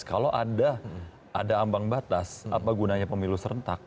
kalau ada ambang batas apa gunanya pemilu serentak